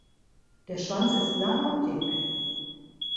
Der Schwanz ist lang und dick.